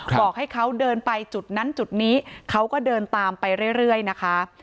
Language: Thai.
บอกให้เขาเดินไปจุดนั้นจุดนี้เขาก็เดินตามไปเรื่อยนะคะ